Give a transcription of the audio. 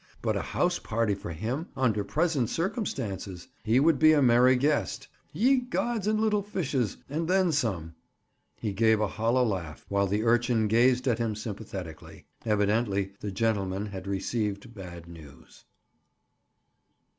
But a house party for him, under present circumstances! He would be a merry guest. Ye gods and little fishes! And then some! He gave a hollow laugh, while the urchin gazed at him sympathetically. Evidently the gentleman had received bad news.